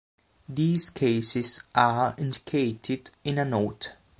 These cases are indicated in a note.